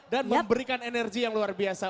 dan memberikan energi yang luar biasa